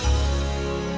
itu rasanya sakit